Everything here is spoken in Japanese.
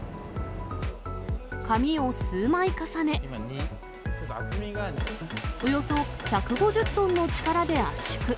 紙を数枚重ね、およそ１５０トンの力で圧縮。